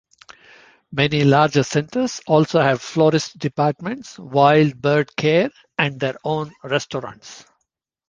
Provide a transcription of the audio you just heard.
Many larger centres also have florist departments, wild bird care and their own restaurants.